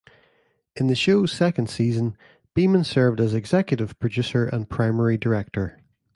In the show's second season, Beeman served as executive producer and primary director.